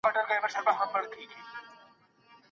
وروسته وار سو د غوايي د ښکر وهلو